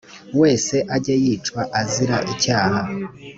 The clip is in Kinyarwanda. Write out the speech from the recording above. wese ajye yicwa azira icyaha